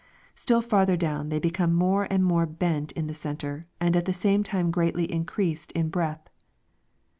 Still farther down they become more and more bent in the center and at the same time greatly increased in breadth.